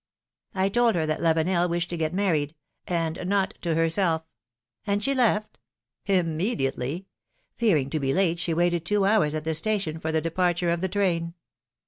I told her that Lavenel wished to get married — and not to herself!" '^And she left?" 18 282 philom^:ne's marriages. ^^Immediately! Fearing to be late, she waited two hours at the station for the departure of the train.